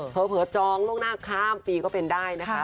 เผลอจองล่วงหน้าข้ามปีก็เป็นได้นะคะ